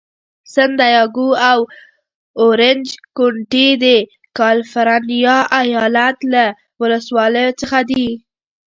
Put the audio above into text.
سن دیاګو او اورینج کونټي د کالفرنیا ایالت له ولسوالیو څخه دي.